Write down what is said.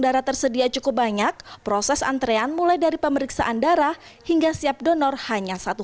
darah tersedia cukup banyak proses antrean mulai dari pemeriksaan darah hingga siap donor hanya satu